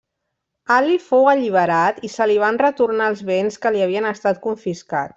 Ali fou alliberat i se li van retornar els béns que li havien estat confiscats.